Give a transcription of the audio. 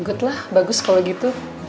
ikutlah bagus kalau gitu